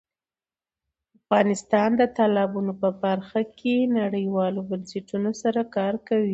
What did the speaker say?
افغانستان د تالابونه په برخه کې نړیوالو بنسټونو سره کار کوي.